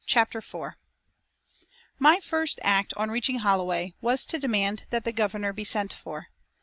CHAPTER IV My first act on reaching Holloway was to demand that the Governor be sent for.